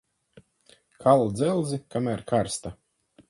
Kal dzelzi, kamēr karsta.